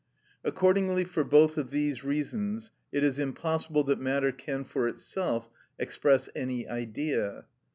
Accordingly for both of these reasons it is impossible that matter can for itself express any Idea.